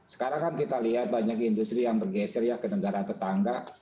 sekarang kan kita lihat banyak industri yang bergeser ya ke negara tetangga